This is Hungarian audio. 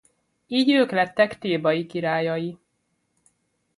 Így ők lettek Thébai királyai.